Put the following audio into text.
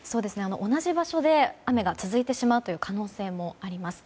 同じ場所で雨が続いてしまう可能性もあります。